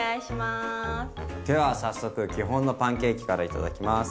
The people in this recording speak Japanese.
では早速基本のパンケーキから頂きます。